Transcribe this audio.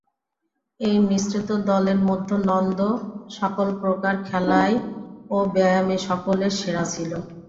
এই মিশ্রিত দলের মধ্যে নন্দ সকলপ্রকার খেলায় ও ব্যায়ামে সকলের সেরা ছিল।